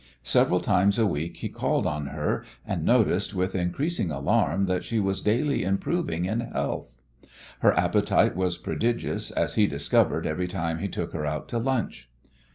Several times a week he called on her and noticed with increasing alarm that she was daily improving in health. Her appetite was prodigious, as he discovered every time he took her out to lunch.